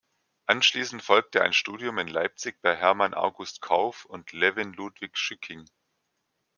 Anschließend folgte ein Studium in Leipzig bei Hermann August Korff und Levin Ludwig Schücking.